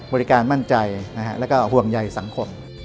บริการมั่นใจแล้วก็ห่วงใยสังคม